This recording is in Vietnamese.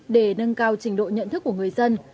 để nâng cao trình độ nhận thức của người dân